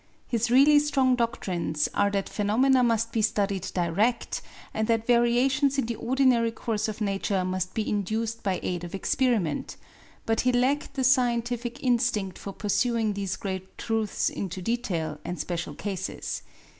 His really strong doctrines are that phenomena must be studied direct, and that variations in the ordinary course of nature must be induced by aid of experiment; but he lacked the scientific instinct for pursuing these great truths into detail and special cases.